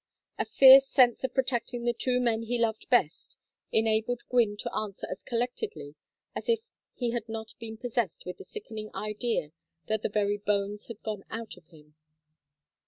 A fierce sense of protecting the two men he loved best enabled Gwynne to answer as collectedly as if he had not been possessed with the sickening idea that the very bones had gone out of him.